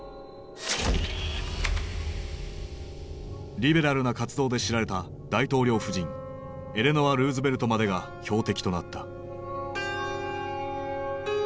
リベラルな活動で知られた大統領夫人エレノア・ルーズベルトまでが標的となった。